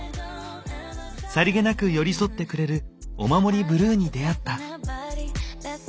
さりげなく寄り添ってくれるお守りブルーに出会った。